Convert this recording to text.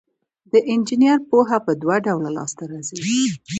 د انجینر پوهه په دوه ډوله لاس ته راځي.